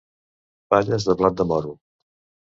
Palles de blat de moro.